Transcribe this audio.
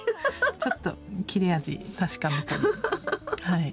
ちょっと切れ味確かめたりはい。